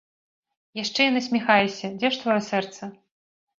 Яшчэ і насміхаешся, дзе ж тваё сэрца?